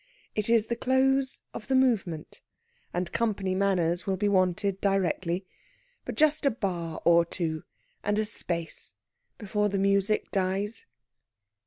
It is the close of the movement, and company manners will be wanted directly. But just a bar or two, and a space, before the music dies!...